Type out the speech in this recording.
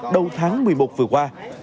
đầu tháng một mươi một vừa qua